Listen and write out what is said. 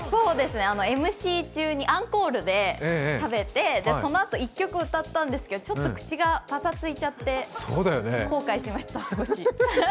ＭＣ中にアンコールで食べてそのあと、１曲歌ったんですけど、口がちょっとパサついちゃって後悔しました。